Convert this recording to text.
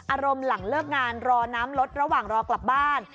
อารมณ์หลังเลิกงานรอน้ำลดระหว่างรอกลับบ้าน